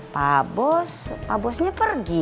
pak bos pak bos bosnya pergi